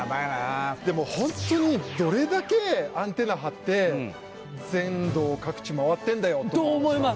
でもホントにどれだけアンテナ張って全土を各地回ってんだよとと思います